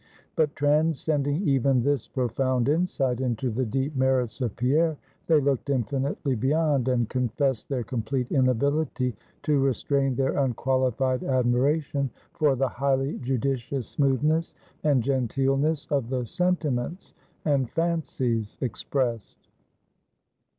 But transcending even this profound insight into the deep merits of Pierre, they looked infinitely beyond, and confessed their complete inability to restrain their unqualified admiration for the highly judicious smoothness and genteelness of the sentiments and fancies expressed.